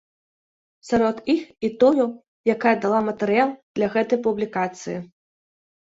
Сярод іх і тую, якая дала матэрыял для гэтай публікацыі.